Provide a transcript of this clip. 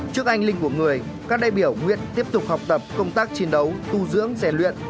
trước anh linh của người các đại biểu nguyện tiếp tục học tập công tác chiến đấu tu dưỡng rèn luyện